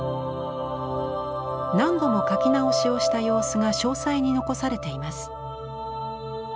何度も描き直しをした様子が詳細に残されています。